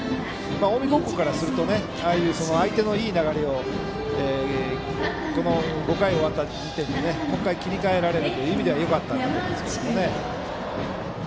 近江高校からするとああいう相手のいい流れを５回が終わった時点でもう１回切り替えられる意味ではよかったんだと思いますけどね。